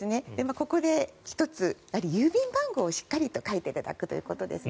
ここで１つ、郵便番号をしっかり書いていただくということですね。